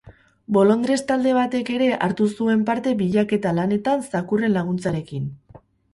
Bolondres talde batek ere hartu zuen parte bilaketa lanetan zakurren laguntzarekin.